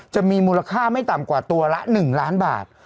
จะมีมูลค่าไม่ต่ำกว่าตัวละ๑ล้านบาท